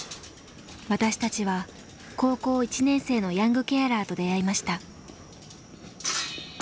私たちは高校１年生のヤングケアラーと出会いました。